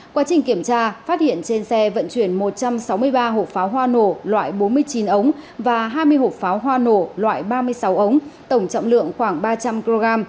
quá trình kiểm tra phát hiện trên xe vận chuyển một trăm sáu mươi ba hộp pháo hoa nổ loại bốn mươi chín ống và hai mươi hộp pháo hoa nổ loại ba mươi sáu ống tổng trọng lượng khoảng ba trăm linh kg